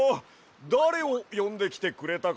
だれをよんできてくれたかや？